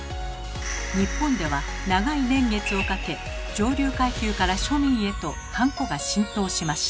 日本では長い年月をかけ上流階級から庶民へとハンコが浸透しました。